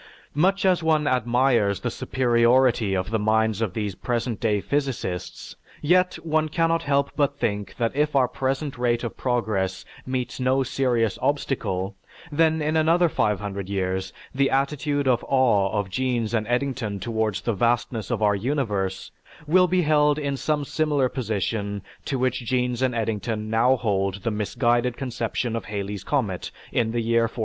Much as one admires the superiority of the minds of these present day physicists, yet one cannot help but think that if our present rate of progress meets no serious obstacle, then in another five hundred years, the attitude of awe of Jeans and Eddington towards the vastness of our universe will be held in some similar position to which Jeans and Eddington now hold the misguided conception of Halley's comet in the year 1456.